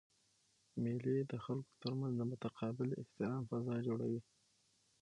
مېلې د خلکو ترمنځ د متقابل احترام فضا جوړوي.